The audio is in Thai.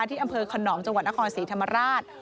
ที่อำเภอขนอมจังหวัดนครศรีธรรมราช